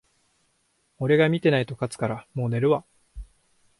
俺が見てないと勝つから、もう寝るわ